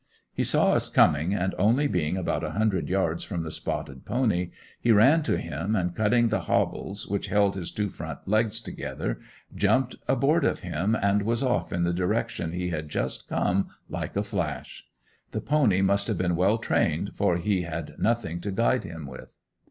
He saw us coming and only being about a hundred yards from the spotted pony, he ran to him and cutting the "hobbles," which held his two front legs together, jumped aboard of him and was off in the direction he had just come, like a flash. The pony must have been well trained for he had nothing to guide him with.